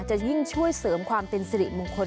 จะยิ่งช่วยเสริมความเป็นสิริมงคล